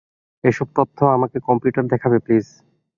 এসব তথ্য আমাকে কম্পিউটারে দেখাবে প্লিজ?